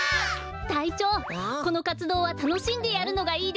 たいちょうこのかつどうはたのしんでやるのがいいですね。